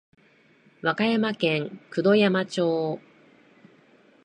和歌山県九度山町